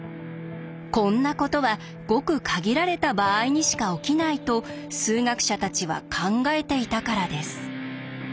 こんなことはごく限られた場合にしか起きないと数学者たちは考えていたからです。